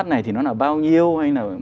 này thì nó là bao nhiêu hay là